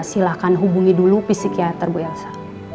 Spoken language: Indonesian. silahkan hubungi dulu psikiater ibu elsa